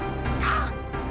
di dunia yang kejam